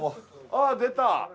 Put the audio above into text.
あっ出た！